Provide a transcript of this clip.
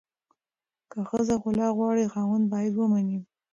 که ښځه خلع غواړي، خاوند باید ومني.